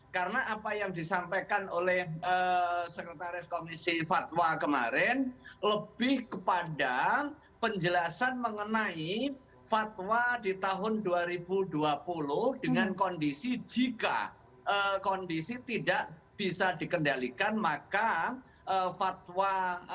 karena apa yang disampaikan oleh sekretaris komisi fatwa kemarin lebih kepada penjelasan mengenai fatwa di tahun dua ribu dua puluh dengan kondisi jika kondisi tidak bisa dikendalikan maka fatwa dua ribu dua puluh